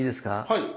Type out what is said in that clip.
はい。